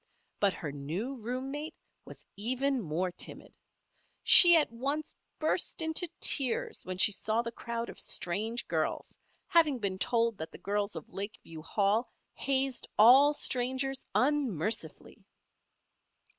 But her new room mate was even more timid. She at once burst into tears when she saw the crowd of strange girls, having been told that the girls of Lakeview Hall hazed all strangers unmercifully.